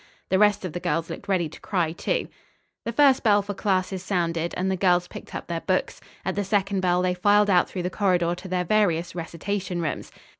The rest of the girls looked ready to cry, too. The first bell for classes sounded and the girls picked up their books. At the second bell they filed out through the corridor to their various recitation rooms.